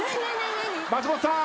松本さん。